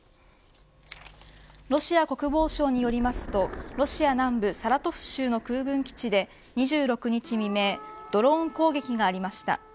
ロシア国防省によりますとロシア南部サラトフ州の空軍基地で２６日未明ドローン攻撃がありました。